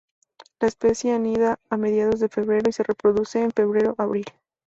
La especie anida a mediados de febrero y se reproduce en febrero-abril.